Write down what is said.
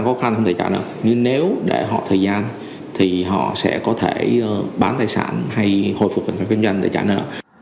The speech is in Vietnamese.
nhưng nếu để họ thời gian thì họ sẽ có thể bán tài sản hay hồi phục kinh doanh để trả nợ